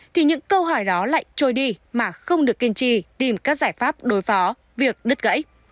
thì những câu hỏi đó lại trôi đi mà không được kiên trì tìm các giải pháp đối phó việc đứt gãy